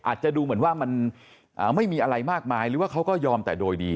อาจจะดูเหมือนว่ามันไม่มีอะไรมากมายหรือว่าเขาก็ยอมแต่โดยดี